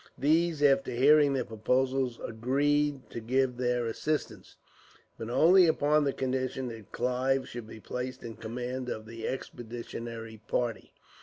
These, after hearing the proposal, agreed to give their assistance, but only upon the condition that Clive should be placed in command of the expeditionary party.